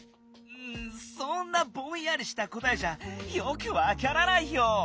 そんなぼんやりしたこたえじゃよくわからないよ！